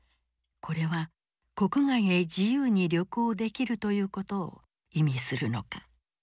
これは国外へ自由に旅行できるということを意味するのか。